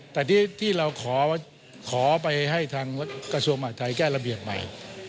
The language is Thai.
แต่ที่เราขอไปให้ทางกระทรวงมหาดไทยแก้ระเบียบใหม่